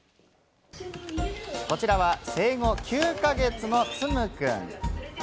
こちらは生後９か月の、つむくん。